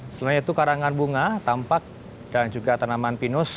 selain itu karangan bunga tampak dan juga tanaman pinus